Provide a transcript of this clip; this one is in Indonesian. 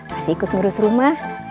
masih ikut ngurus rumah